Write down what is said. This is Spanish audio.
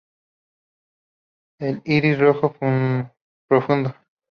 El iris es rojo profundo.